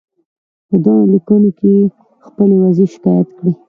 په دواړو لیکونو کې یې د خپلې وضعې شکایت کړی.